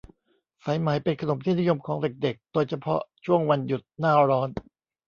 สายไหมเป็นขนมที่นิยมของเด็ก ๆ โดยเฉพาะช่วงวันหยุดหน้าร้อน